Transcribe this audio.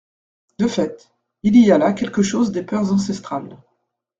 De fait, il y a là quelque chose des peurs ancestrales.